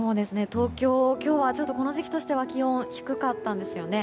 東京、今日はこの時期としては気温が低かったんですよね。